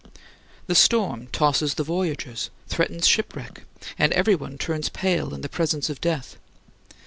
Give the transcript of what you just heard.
The storm tosses the voyagers, threatens shipwreck, and everyone turns pale in the presence of death.